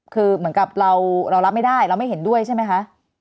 คือเหมือนกับเรารับไม่ได้เราไม่เห็นด้วยใช่ไหมคะ